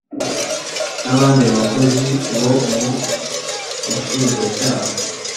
n abandi bakozi bo mu Bushinjacyaha